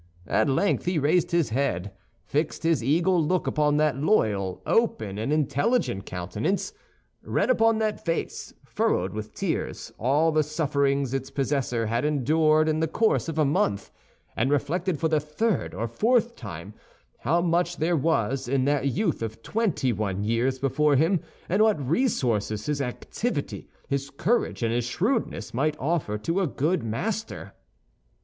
At length he raised his head, fixed his eagle look upon that loyal, open, and intelligent countenance, read upon that face, furrowed with tears, all the sufferings its possessor had endured in the course of a month, and reflected for the third or fourth time how much there was in that youth of twenty one years before him, and what resources his activity, his courage, and his shrewdness might offer to a good master.